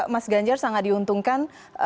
mas ganjar sangat diuntungkan